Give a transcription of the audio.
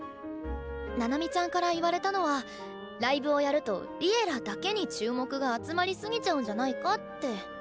ナナミちゃんから言われたのはライブをやると「Ｌｉｅｌｌａ！」だけに注目が集まりすぎちゃうんじゃないかって。